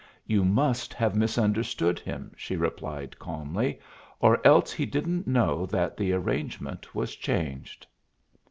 "You must have misunderstood him," she replied, calmly, "or else he didn't know that the arrangement was changed."